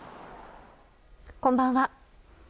こんばんは。